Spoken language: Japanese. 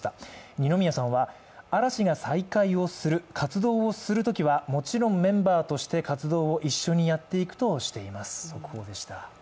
二宮さんは、嵐が再開する活動をするときはもちろんメンバーとして活動を一緒にやっていくとしています。